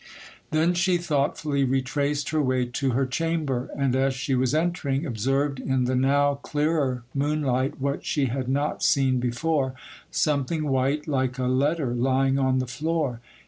Then she thoughtfully retraced her way to her chamber; and as she was entering, observed in the now clearer moonlight what she had not seen before,—something white, like a letter, lying on the floor.